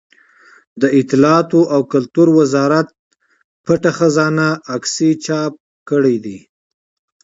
د اطلاعاتو او کلتور وزارت پټه خزانه عکسي چاپ کړې ده.